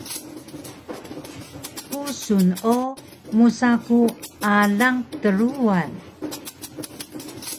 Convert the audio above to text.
Kusun o musa ku alang Truwan